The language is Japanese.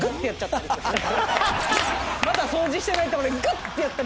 まだ掃除してない所にグッてやったりして。